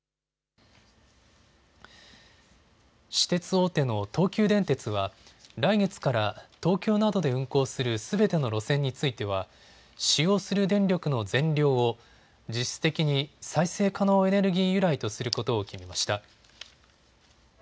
私鉄大手の東急電鉄は来月から東京などで運行するすべての路線については使用する電力の全量を実質的に再生可能エネルギー由来とすることを決めました。